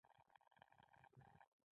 بېرته مې پر بالښت سر کېښود.